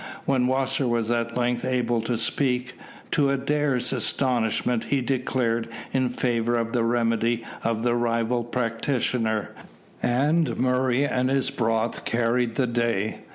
When Wasser was at length able to speak, to Adair's astonishment he declared in favour of the remedy of the rival practitioner, and Murray and his broth carried the day.